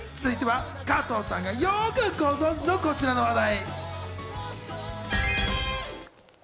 続いては加藤さんがよくご存じのこちらの話題！